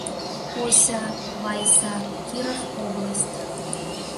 Пося — Вайса, Киров область